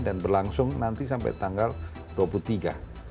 dan berlangsung nanti sampai tanggal dua puluh tiga september